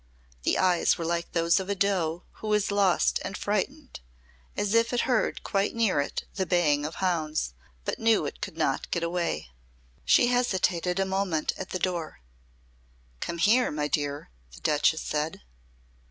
The eyes were like those of a doe who was lost and frightened as if it heard quite near it the baying of hounds, but knew it could not get away. She hesitated a moment at the door. "Come here, my dear," the Duchess said.